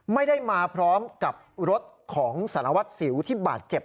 ไม่ได้มาพร้อมกับรถของสารวัตรสิวที่บาดเจ็บ